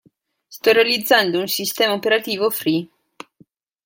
Sto realizzando un sistema operativo free.